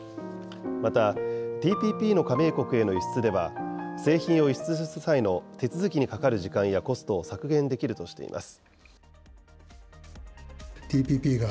また、ＴＰＰの加盟国への輸出では製品を輸出する際の手続きにかかる時間やコストを削減できるとしています。